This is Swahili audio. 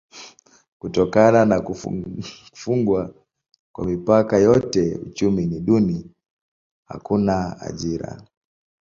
Kutokana na kufungwa kwa mipaka yote uchumi ni duni: hakuna ajira.